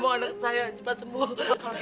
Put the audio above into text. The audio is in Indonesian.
mau anak saya cepat sembuh